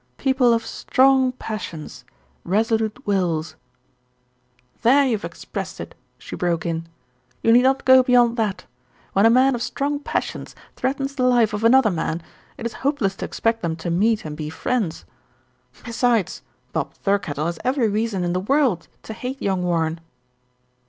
"People of strong passions, resolute wills " "There you have expressed it," she broke in. "You need not go beyond that. When a man of strong passions threatens the life of another man, it is hope less to expect them to meet and be friends. Besides 62 THE RETURN OF ALFRED Bob Thirkettle has every reason in the world to hate young Warren."